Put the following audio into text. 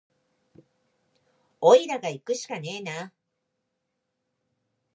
おいらがいくしかねえな